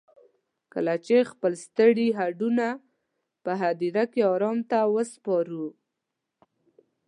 کله چې خپل ستړي هډونه په هديره کې ارام ته سپارو.